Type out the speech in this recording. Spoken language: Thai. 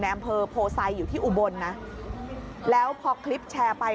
อำเภอโพไซอยู่ที่อุบลนะแล้วพอคลิปแชร์ไป